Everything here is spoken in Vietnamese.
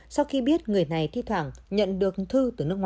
sau khi biết người này thi thoảng nhận được thư